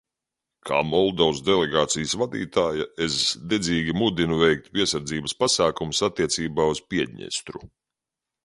Kā Moldovas delegācijas vadītāja es dedzīgi mudinu veikt piesardzības pasākumus attiecībā uz Piedņestru.